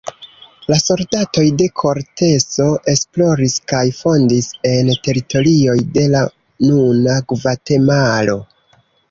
La soldatoj de Korteso esploris kaj fondis en teritorioj de la nuna Gvatemalo.